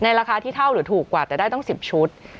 ราคาที่เท่าหรือถูกกว่าแต่ได้ตั้ง๑๐ชุด